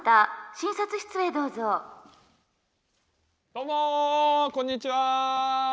どうもこんにちは。